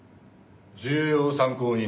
重要参考人です。